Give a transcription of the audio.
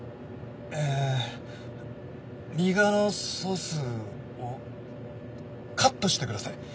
えー右側のソースをカットしてください。